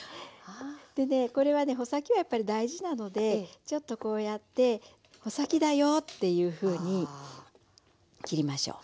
でねこれはね穂先はやっぱり大事なのでちょっとこうやって穂先だよっていうふうに切りましょう。